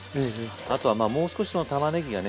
あとはもう少したまねぎがね